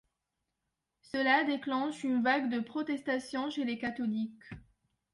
Cela déclenche une vague de protestation chez les catholiques.